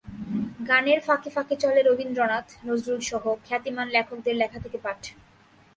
গানের ফাঁকে ফাঁকে চলে রবীন্দ্রনাথ, নজরুলসহ খ্যাতিমান লেখকদের লেখা থেকে পাঠ।